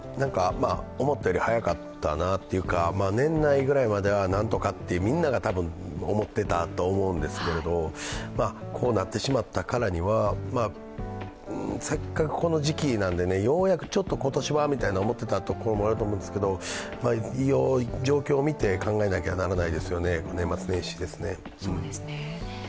思ったより早かったなというか年内ぐらいまでは何とかと、みんなが多分思ってたと思うんですけど、こうなってしまったからには、せっかくこの時期なので、ようやくちょっと今年はと思っていたところもあるんですけど状況を見て考えなきゃならないですよね、年末年始。